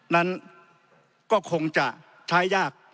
นั้นก็คงจะใช้ยาก